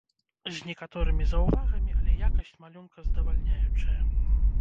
З некаторымі заўвагамі, але якасць малюнка здавальняючая.